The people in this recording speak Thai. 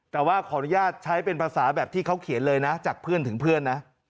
แต่ว่าขออนุญาตใช้เป็นภาษาแบบที่เขาเขียนเลยนะจากเพื่อนถึงเพื่อนนะ